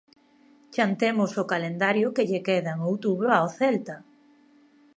Chantemos o calendario que lle queda en outubro ao Celta.